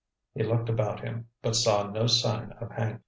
He looked about him, but saw no sign of Hank.